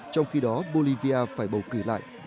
trong khi đó bolivia phải bầu cử lại